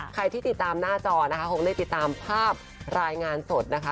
ใครที่ติดตามหน้าจอนะคะคงได้ติดตามภาพรายงานสดนะคะ